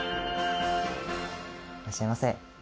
いらっしゃいませ。